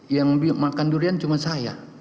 yang makan durian cuma saya